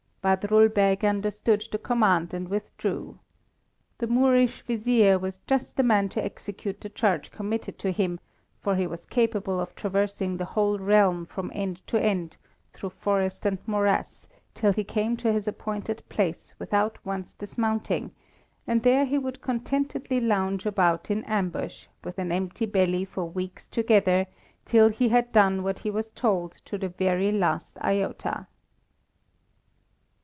Badrul Beg understood the command and withdrew. The Moorish vizier was just the man to execute the charge committed to him, for he was capable of traversing the whole realm from end to end, through forest and morass, till he came to his appointed place without once dismounting, and there he would contentedly lounge about in ambush, with an empty belly for weeks together, till he had done what he was told to the very last iota.